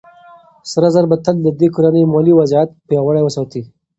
سره زر به تل د دې کورنۍ مالي وضعيت پياوړی وساتي.